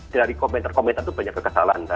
dari komentar komentar itu banyak kekesalan